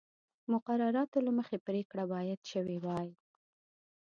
مقرراتو له مخې پرېکړه باید شوې وای.